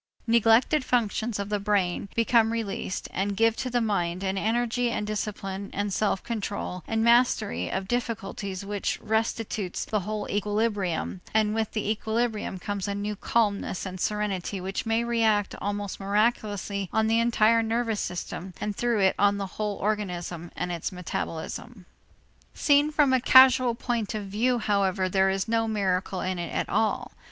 Neglected functions of the brain become released and give to the mind an energy and discipline and self control and mastery of difficulties which restitutes the whole equilibrium, and with the equilibrium comes a new calmness and serenity which may react almost miraculously on the entire nervous system and through it on the whole organism and its metabolism. Seen from a causal point of view, however, there is no miracle in it at all.